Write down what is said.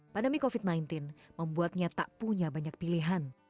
pandemi covid sembilan belas membuatnya tak punya banyak pilihan